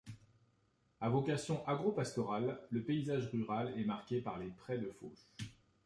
À vocation agro-pastorale, le paysage rural est marqué par les prés de fauche.